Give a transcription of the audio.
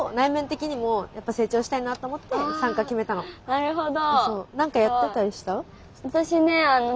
なるほど。